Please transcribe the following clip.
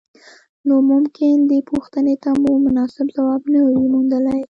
نو ممکن دې پوښتنې ته مو مناسب ځواب نه وي موندلی.